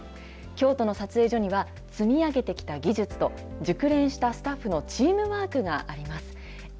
京都の撮影所には、積み上げてきた技術と、熟練したスタッフのチームワークがあります。